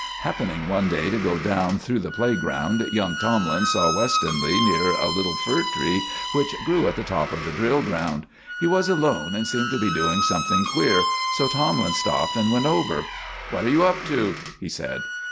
Happening one day to go down through the playground, young Tomlin saw Westonleigh near a little fir tree which grew at the top of the drill ground. He was alone, and seemed to be doing something queer, so Tomlin stopped and went over. "What are you up to?" he said.